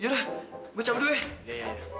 yaudah gue cabut dulu ya